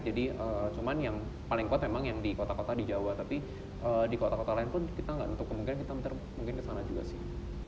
jadi cuma yang paling kuat memang yang di kota kota di jawa tapi di kota kota lain pun kita enggak tentu kemungkinan kita mungkin kesana juga sih